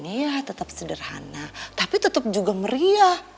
ya tetap sederhana tapi tetap juga meriah